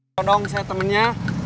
tukang todong saya temennya